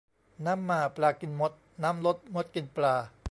น้ำมาปลากินมดน้ำลดมดกินปลา